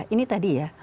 ini tadi ya